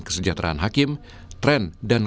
kesejahteraan hakim tren dan